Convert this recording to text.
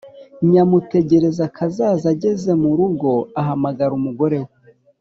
Nyamutegerakazaza ageze mu rugo ahamagara umugore we,